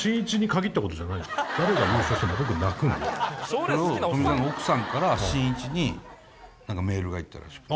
それを富澤の奥さんからしんいちにメールが行ったらしくて。